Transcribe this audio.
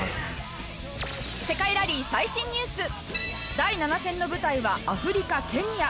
第７戦の舞台はアフリカケニア